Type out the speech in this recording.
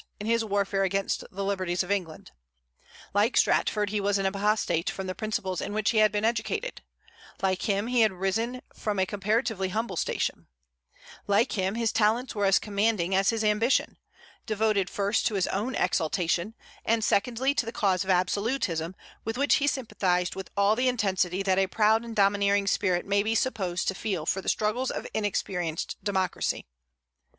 in his warfare against the liberties of England. Like Stratford, he was an apostate from the principles in which he had been educated; like him, he had arisen from a comparatively humble station; like him, his talents were as commanding as his ambition, devoted first to his own exaltation; and, secondly, to the cause of absolutism, with which he sympathized with all the intensity that a proud and domineering spirit may be supposed to feel for the struggles of inexperienced democracy.